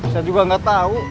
saya juga gak tau